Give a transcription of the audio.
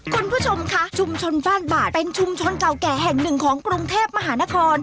คุณผู้ชมค่ะชุมชนบ้านบาดเป็นชุมชนเก่าแก่แห่งหนึ่งของกรุงเทพมหานคร